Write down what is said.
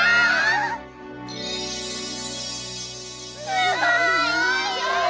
すごい！